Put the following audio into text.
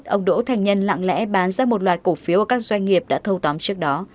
ông đỗ thành nhân lặng lẽ bán ra một loạt cổ phiếu của các doanh nghiệp đã thâu tóm trước đó